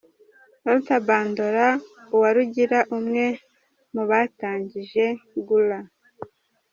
Walter Bandora Uwarugira umwe mu batangije 'Goora'.